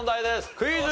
クイズ。